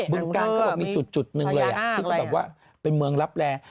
บึงกาลก็บอกมีจุดหนึ่งเลยที่บอกว่าเป็นเมืองรับแรง